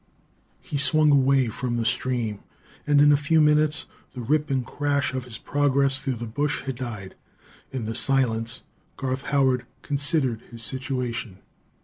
He swung away from the stream, and in a few minutes the rip and crash of his progress through the bush had died. In the silence, Garth Howard considered his situation.